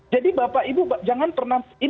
jadi bapak ibu jangan pernah